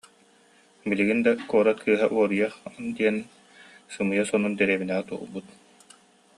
Билигин да «куорат кыыһа уоруйах» диэн сымыйа сонун дэриэбинэҕэ туолбут